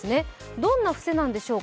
どんな伏せなんでしょうか。